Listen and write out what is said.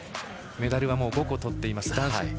メダルはもう５個とっています。